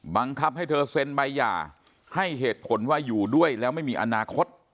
บังคับให้เธอเซ็นใบหย่าให้เหตุผลว่าอยู่ด้วยแล้วไม่มีอนาคต